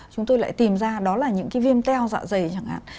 chúng tôi lại tìm ra đó là những cái viêm keo dạ dày chẳng hạn